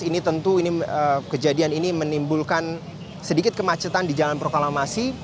ini tentu kejadian ini menimbulkan sedikit kemacetan di jalan proklamasi